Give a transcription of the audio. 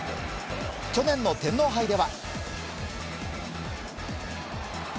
去年の天皇杯では。